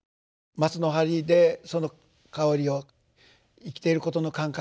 松の針でその香りを生きてることの感覚